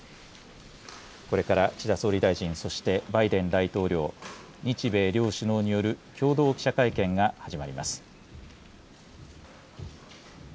これから岸田総理大臣、そしてバイデン大統領、日米両首脳による共同記者会見が始まります。